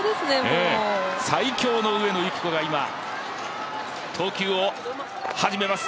最強の上野由岐子が今、投球を始めます。